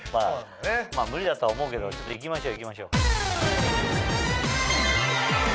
まぁ無理だとは思うけど行きましょう行きましょう。